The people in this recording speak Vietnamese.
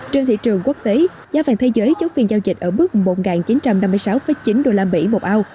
trên thị trường quốc tế giá vàng thế giới chốt phiên giao dịch ở bước một nghìn chín trăm năm mươi sáu chín đô la mỹ một ao